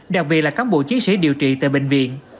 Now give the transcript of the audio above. đặc biệt là cán bộ chiến sĩ điều trị tại bệnh viện